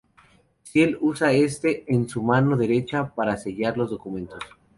Ciel usa este en su mano derecha para sellar los documentos.